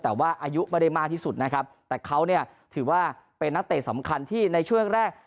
แต่ว่าอายุไม่ได้มากที่สุดนะครับแต่เขาเนี่ยถือว่าเป็นนักเตะสำคัญที่ในช่วงแรก